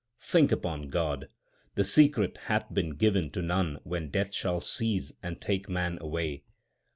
Think upon God ; the secret hath been given to none when Death shall seize and take man away.